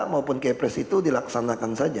maupun kepres itu dilaksanakan saja